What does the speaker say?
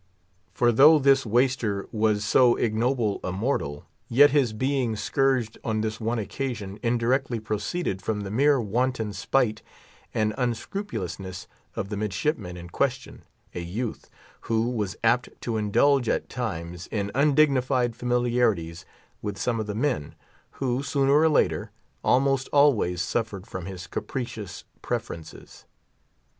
For though this waister was so ignoble a mortal, yet his being scourged on this one occasion indirectly proceeded from the mere wanton spite and unscrupulousness of the midshipman in question—a youth, who was apt to indulge at times in undignified familiarities with some of the men, who, sooner or later, almost always suffered from his capricious preferences.